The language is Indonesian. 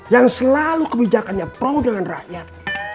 yang selalu kebijakannya pro dengan rakyat